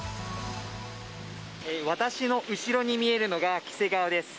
私の後ろに見えるのが黄瀬川です。